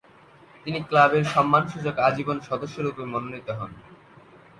তিনি ক্লাবের সম্মানসূচক আজীবন সদস্যরূপে মনোনীত হন।